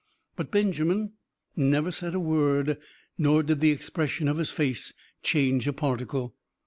But Benjamin never said a word, nor did the expression of his face change a particle.